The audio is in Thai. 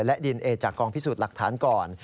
และดินเอจากกองพิสูจน์หลักฐานก่อน